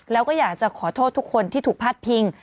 แล้วก็อยากจะขอโทษทุกคนที่ถูกพาดพิง